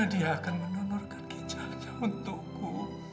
nadia akan menonorkan kicanya untukku